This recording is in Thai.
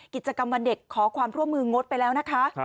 กิจกรรมวันเด็กขอความร่วมมืองดไปแล้วนะคะ